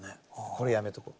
これやめとこう。